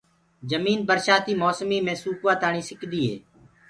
جمين برشآتيٚ موسميٚ مي سوُڪوآ تآڻيٚ سڪدي هي